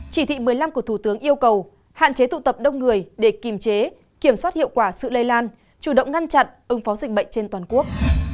chỉ thị một mươi năm của thủ tướng yêu cầu hạn chế tụ tập đông người để kiềm chế kiểm soát hiệu quả sự lây lan chủ động ngăn chặn ứng phó dịch bệnh trên toàn quốc